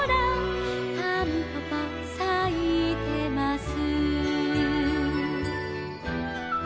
「たんぽぽさいてます」